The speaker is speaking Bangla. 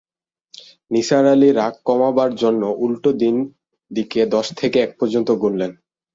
নিসার আলি রাগ কমাবার জন্যে উন্টো দিকে দশ থেকে এক পর্যন্ত গুনলেন।